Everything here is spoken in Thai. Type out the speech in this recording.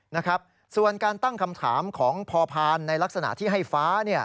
นะครับส่วนการตั้งคำถามของพอพานในลักษณะที่ให้ฟ้าเนี่ย